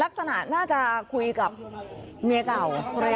ลักษณะน่าจะคุยกับเมียเก่า